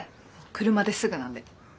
車ですぐなんで。